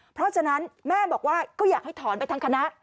เพราะฉะนั้นแม่บอกว่าก็อยากให้ถอนไปทั้งคณะ